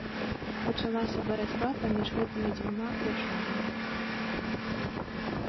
Пачалася барацьба паміж гэтымі дзвюма дзяржавамі.